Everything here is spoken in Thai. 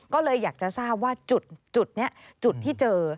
ก็เลยอยากจะทราบว่าจุดนี้จุดที่เจอ